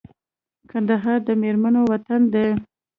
کندهار د مېړنو وطن دی